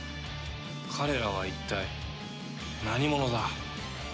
彼らは一体何者だ？